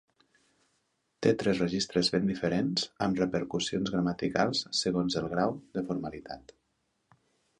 Té tres registres ben diferents amb repercussions gramaticals segons el grau de formalitat.